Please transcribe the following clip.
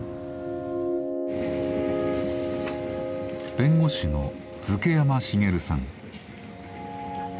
弁護士の瑞慶山茂さん。